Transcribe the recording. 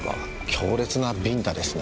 強烈なビンタですね。